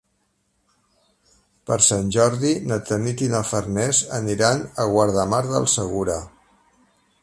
Per Sant Jordi na Tanit i na Farners aniran a Guardamar del Segura.